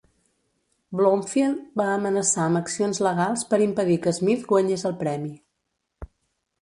Bloomfield va amenaçar amb accions legals per impedir que Smith guanyés el premi.